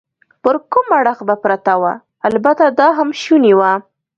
پر کوم اړخ به پرته وه؟ البته دا هم شونې وه.